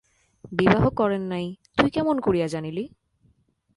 বিবাহ করেন নাই, তুই কেমন করিয়া জানিলি?